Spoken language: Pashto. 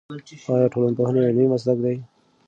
آیا ټولنپوهنه یو علمي مسلک دی؟